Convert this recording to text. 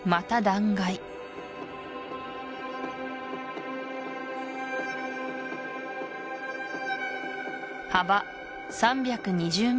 断崖幅３２０ｍ